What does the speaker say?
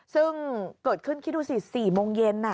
ซึ่งเกิดขึ้นคิดดูสิ๔โมงเย็น